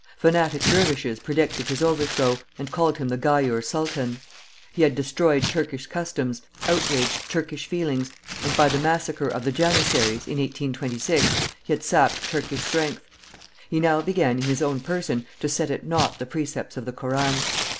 Fanatic dervishes predicted his overthrow, and called him the Giaour Sultan. He had destroyed Turkish customs, outraged Turkish feelings, and by the massacre o the Janissaries, in 1826, he had sapped Turkish strength. He now began in his own person to set at nought the precepts of the Koran.